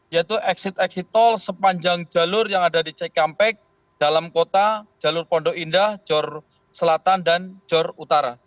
yaitu exit exit tol sepanjang jalur yang ada di cikampek dalam kota jalur pondok indah jor selatan dan jor utara